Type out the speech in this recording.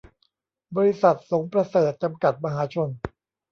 บริษัท สงประเสริฐ จำกัด มหาชน